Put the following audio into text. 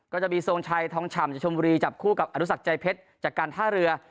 ก็จะมีทรงชัยทองฉ่ำจากชมบุรีจับคู่กับอนุสักใจเพชรจากการท่าเรือ